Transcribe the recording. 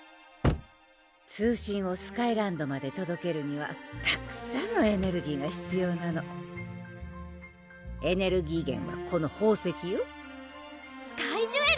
通信をスカイランドまでとどけるにはたっくさんのエネルギーが必要なのエネルギー源はこの宝石よスカイジュエル！